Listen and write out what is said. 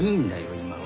今は。